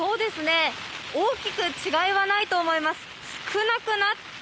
大きく違いはないと思います。